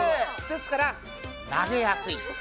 ですから投げやすい。